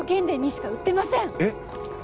電にしか売ってませんえっ！